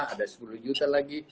ada sepuluh juta lagi